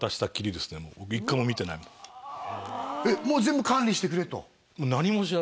もう全部管理してくれと？